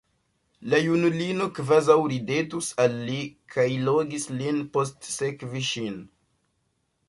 La junulino kvazaŭ ridetus al li kaj logis lin postsekvi ŝin.